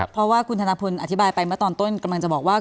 เพราะว่าคุณธนพลอธิบายไปเมื่อตอนต้นกำลังจะบอกว่า